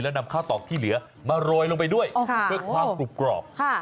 นำข้าวตอกที่เหลือมาโรยลงไปด้วยเพื่อความกรุบกรอบ